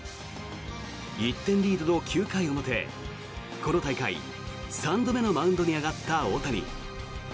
１点リードの９回表この大会３度目のマウンドに上がった大谷。